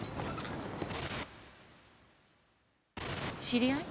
・知り合い？